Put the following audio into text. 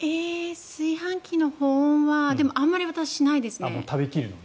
炊飯器の保温はでもあまり私しないです。